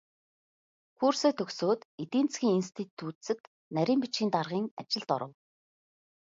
Курсээ төгсөөд эдийн засгийн институцэд нарийн бичгийн даргын ажилд оров.